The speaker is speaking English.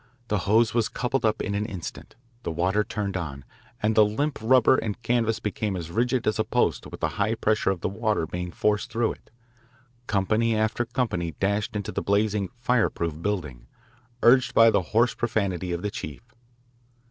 The hose was coupled up in an instant, the water turned on, and the limp rubber and canvas became as rigid as a post with the high pressure of the water being forced through it. Company after company dashed into the blazing "fireproof" building, urged by the hoarse profanity of the chief.